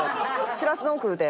しらす丼食うて。